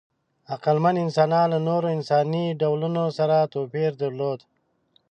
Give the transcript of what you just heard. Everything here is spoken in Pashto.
عقلمن انسانان له نورو انساني ډولونو سره توپیر درلود.